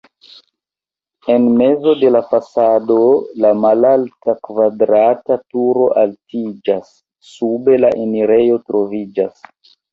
En mezo de la fasado la malalta, kvadrata turo altiĝas, sube la enirejo troviĝas.